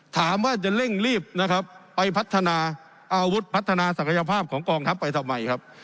ถามว่าจะเร่งรีบนะครับไปพัฒนาอาวุธพัฒนาศักยภาพของกองทัพไปทำไมครับ